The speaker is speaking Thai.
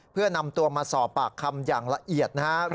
เพื่อนำตัวมาสอบปากคำอย่างละเอียดนะครับ